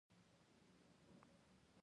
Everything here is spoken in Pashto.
له ما څخه دومره امتحانونه مه اخله